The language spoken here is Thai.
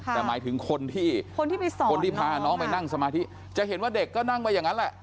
แต่หมายถึงคนที่พาน้องไปนั่งสมาธิจะเห็นว่าเด็กก็นั่งไปอย่างนั้นแหละ